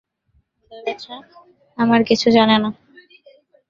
উদয়– বাছা আমার কিছু জানে না।